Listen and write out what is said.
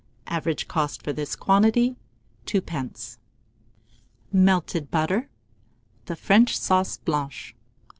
Average cost for this quantity, 2d. MELTED BUTTER (the French Sauce Blanche).